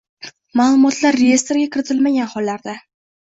ma’lumotlar reyestrga kiritilmagan hollarda